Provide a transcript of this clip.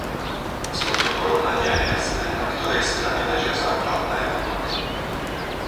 Z tohto porovnania je jasné, na ktorej strane ležia základné hodnoty.